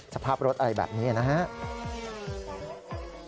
สภาพรถอะไรแบบนี้นะครับ